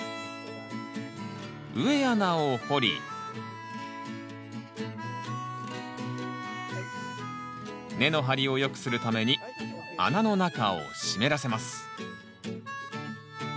植え穴を掘り根の張りをよくするために穴の中を湿らせます。